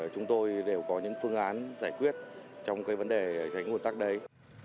chúng tôi đều có những phương án giải quyết trong cái vấn đề tránh nguồn tắc đấy